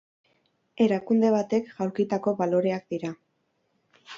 Erakunde batek jaulkitako baloreak dira.